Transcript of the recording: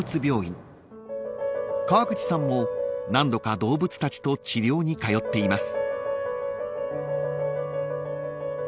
［川口さんも何度か動物たちと治療に通っています］